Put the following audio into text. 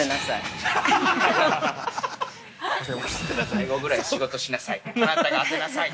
◆最後ぐらい仕事しなさい。